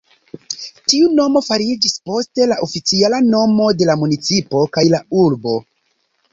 Tiu nomo fariĝis poste la oficiala nomo de la municipo kaj la urbo.